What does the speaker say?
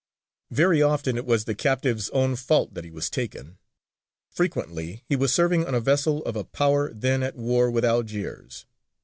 Very often it was the captive's own fault that he was taken. Frequently he was serving on a vessel of a power then at war with Algiers.